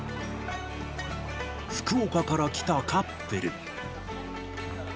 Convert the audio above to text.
福岡から来たカップル。